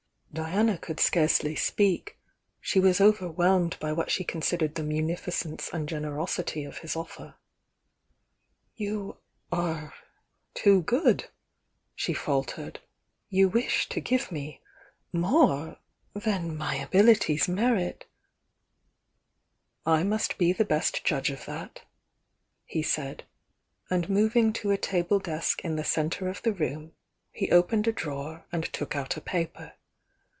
Diana could scarcely speak ; she was overwhelmed by what she considered the munificence and gener osity of his offer. "You are too good," she faltered. "You wish to give me more than my abilities merit " "I must be the best judge of that," lie said, and moving to a table desk in the centre of the room he opened a drawer and took out a paper.